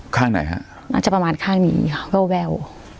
ข้างไหนฮะน่าจะประมาณข้างนี้ค่ะแวว